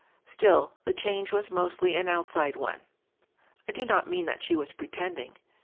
Still, the change was mostly an outside one. I do not mean that she was pretending.